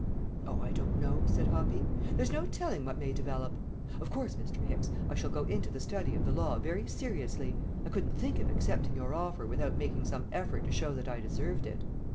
"Oh, I don't know," said Hoppy; "there's no telling what may develop. Of course, Mr. Hicks, I shall go into the study of the law very seriously; I couldn't think of accepting your offer without making some effort to show that I deserved it.